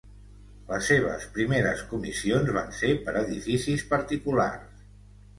Les seves primeres comissions van ser per edificis particulars.